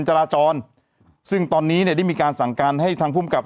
จราจรซึ่งตอนนี้เนี่ยได้มีการสั่งการให้ทางภูมิกับ